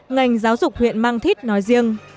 ngành giáo dục huyện mang thít nói riêng